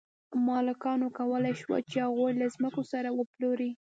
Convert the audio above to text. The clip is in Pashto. مالکانو کولی شول چې هغوی له ځمکو سره وپلوري.